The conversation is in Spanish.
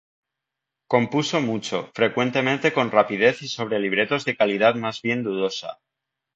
Compuso mucho, frecuentemente con rapidez y sobre libretos de calidad más bien dudosa.